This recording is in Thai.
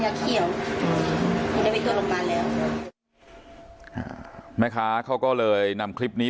อย่างรุนแรงตรงพ่อกระโตนี้ค่ะเพื่อนนี้เข้าเลยนำคลิปนี้